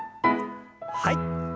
はい。